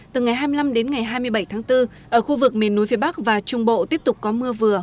từ ngày hai mươi năm đến ngày hai mươi bảy tháng bốn ở khu vực miền núi phía bắc và trung bộ tiếp tục có mưa vừa